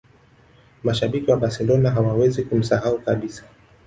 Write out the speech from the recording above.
mashabiki wa barcelona hawawezi kumsahau kabisa